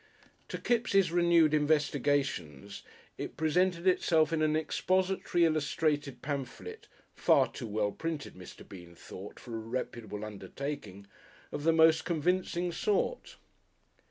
To Kipps' renewed investigations it presented itself in an expository illustrated pamphlet (far too well printed, Mr. Bean thought, for a reputable undertaking) of the most convincing sort.